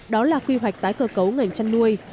đó là quy hoạch tái cơ cấu ngành chăn nuôi